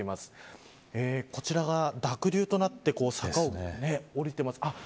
こちらが濁流となって坂を下りています。